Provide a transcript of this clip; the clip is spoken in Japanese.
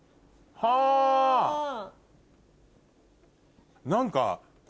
はぁ。何か。